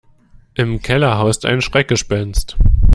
Im Keller haust ein Schreckgespenst.